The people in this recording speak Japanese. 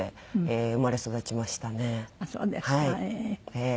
ええ。